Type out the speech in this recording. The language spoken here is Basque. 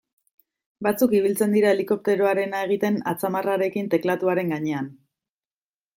Batzuk ibiltzen dira helikopteroarena egiten atzamarrarekin teklatuaren gainean.